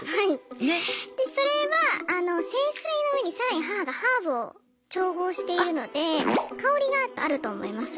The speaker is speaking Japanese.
それはあの聖水の上に更に母がハーブを調合しているので香りがあると思います。